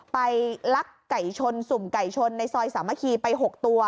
ลักไก่ชนสุ่มไก่ชนในซอยสามัคคีไป๖ตัว